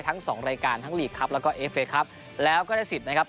ทั้งสองรายการทั้งลีกครับแล้วก็เอฟเคครับแล้วก็ได้สิทธิ์นะครับ